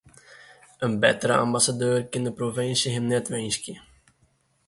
In bettere ambassadeur kin de provinsje him net winskje.